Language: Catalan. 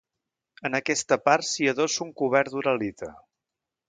En aquesta part s'hi adossa un cobert d'uralita.